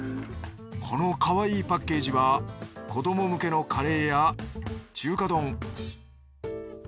このかわいいパッケージは子ども向けのカレーや中華丼。